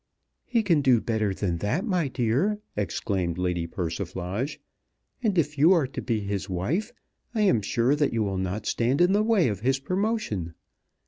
"He can do better than that, my dear," exclaimed Lady Persiflage; "and, if you are to be his wife, I am sure that you will not stand in the way of his promotion.